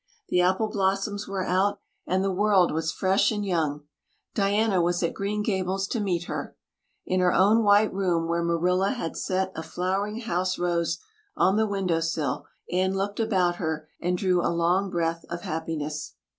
The apple blossoms were out and the world was fresh and young. Diana was at Green Gables to meet her. In her own white room, where Marilla had set a flowering house rose on the window sill, Anne looked about her and drew a long breath of happiness.